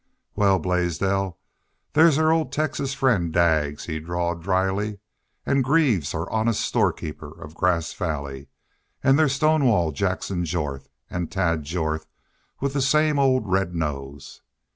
"Wal, Blaisdell, there's our old Texas friend, Daggs," he drawled, dryly. "An' Greaves, our honest storekeeper of Grass Valley. An' there's Stonewall Jackson Jorth. An' Tad Jorth, with the same old red nose!